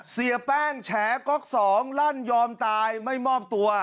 เสียแป้งแฉก๊อกสองลั่นยอมตายไม่มอบตัว